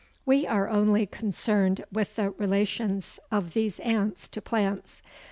We are only concerned with the relations of these ants to plants.